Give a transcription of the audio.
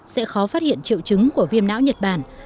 sẽ khó phát hiện triệu chứng của viêm não nhật bản